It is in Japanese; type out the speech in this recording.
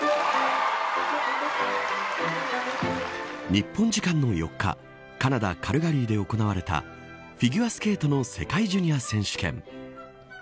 日本時間の４日カナダ、カルガリーで行われたフィギュアスケートの世界ジュニア選手権。